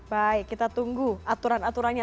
baik kita tunggu aturan aturannya